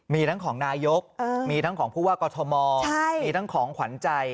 มีทั้งของนายกมีทั้งของผู้ว่ากอทมมีทั้งของขวัญใจ